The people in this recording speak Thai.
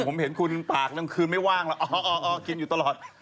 ผมเห็นคุณปากกลางคืนไม่ว่างแล้วอ๋อกินอยู่ตลอด